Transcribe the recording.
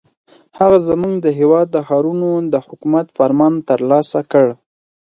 هغه زموږ د هېواد د ښارونو د حکومت فرمان ترلاسه کړ.